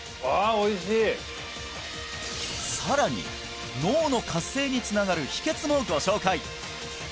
おいしいさらに脳の活性につながる秘訣もご紹介！